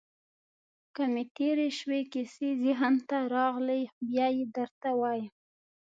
که مې تېرې شوې کیسې ذهن ته راغلې، بیا يې درته وایم.